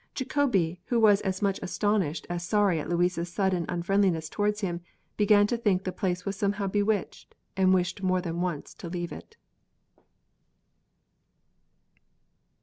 Jacobi, who was as much astonished as sorry at Louise's sudden unfriendliness towards him, began to think the place was somehow bewitched, and wished more than once to leave it.